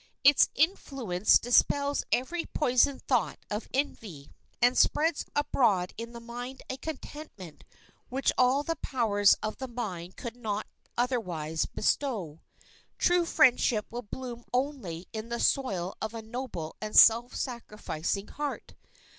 Its influence dispels every poisoned thought of envy, and spreads abroad in the mind a contentment which all the powers of the mind could not otherwise bestow. True friendship will bloom only in the soil of a noble and self sacrificing heart.